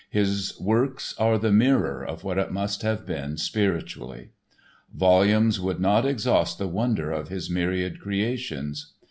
His works are the mirror of what it must have been spiritually. Volumes would not exhaust the wonder of his myriad creations.